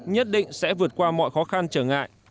nhất định sẽ vượt qua mọi khó khăn trở ngại